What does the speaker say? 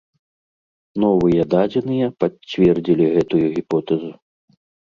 Новыя дадзеныя пацвердзілі гэтую гіпотэзу.